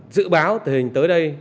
dự báo tình hình tới đây